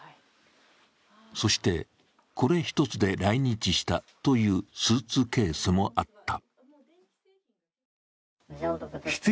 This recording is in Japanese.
そして、これ一つで来日したというスーツケースもあった。